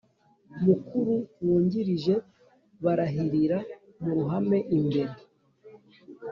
Mukuru wungirije barahirira mu ruhame imbere